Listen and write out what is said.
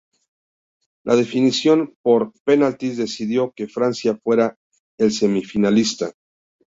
La definición por penaltis decidió que Francia fuera el semifinalista.